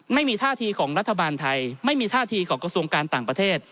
ไม่มีท่าทีของรัฐบาลไทยไม่มีท่าทีของกระทรวงการต่างประเทศ